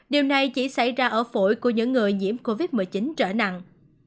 điều này chỉ xảy ra ở phổi của những người nhiễm covid một mươi chín trở nặng